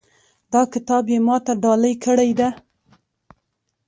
دا کتاب یې ما ته ډالۍ کړی ده